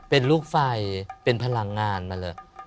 เป็นลูกไฟเป็นพลังงานมาเลย